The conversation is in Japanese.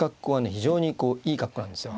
非常にこういい格好なんですよ。